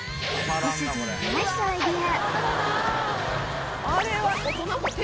ご主人ナイスアイデア！